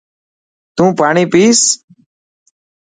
تون پاڻي پئس.